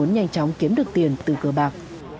nhanh chóng kiếm được tiền từ cờ bạc